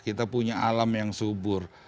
kita punya alam yang subur